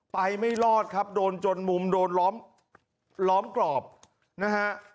ไม่รอดครับโดนจนมุมโดนล้อมล้อมกรอบนะฮะ